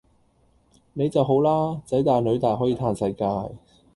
你就好啦！囝大囡大可以嘆世界